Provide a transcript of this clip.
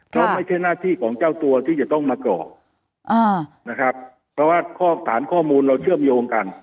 เพราะไม่ใช่หน้าที่ของเจ้าตัวที่จะต้องมาก่ออ่านะครับเพราะว่าข้อสารข้อมูลเราเชื่อมโยงกัน